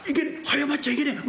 早まっちゃいけねえ。